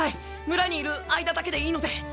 村にいる間だけでいいので。